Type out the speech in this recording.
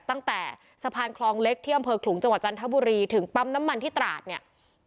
ตั้งแต่สะพานคลองเล็กที่อำเภอขลุงจังหวัดจันทบุรีถึงปั๊มน้ำมันที่ตราดเนี่ย